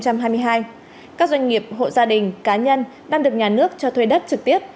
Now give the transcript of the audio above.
các doanh nghiệp hộ gia đình cá nhân đang được nhà nước cho thuê đất trực tiếp